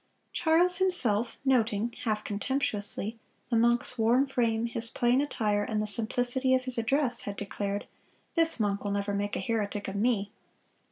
Charles himself, noting, half contemptuously, the monk's worn frame, his plain attire, and the simplicity of his address, had declared, "This monk will never make a heretic of me."